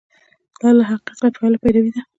دا له حقیقت څخه فعاله پیروي ده.